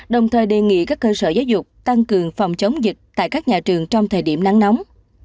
đồng thời đề nghị các cơ sở giáo dục tăng cường phòng chống dịch tại các nhà trường trong thời điểm nắng nóng